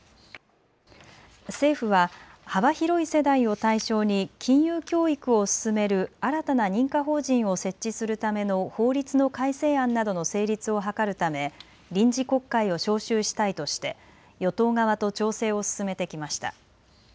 政府は幅広い世代を対象に金融教育を進める新たな認可法人を設置するための法律の改正案などの成立を図るため臨時国会を召集したいとして与党側と調整を進めてきました。